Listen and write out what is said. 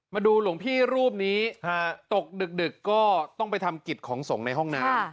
หลวงพี่รูปนี้ตกดึกก็ต้องไปทำกิจของสงฆ์ในห้องน้ำ